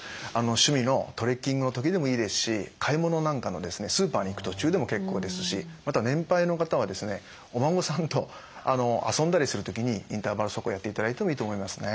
趣味のトレッキングの時でもいいですし買い物なんかのスーパーに行く途中でも結構ですしまた年配の方はお孫さんと遊んだりする時にインターバル速歩をやっていただいてもいいと思いますね。